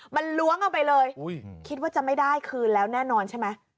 มันล้วงเอาไปเลยคิดว่าจะไม่ได้คืนแล้วแน่นอนใช่ไหม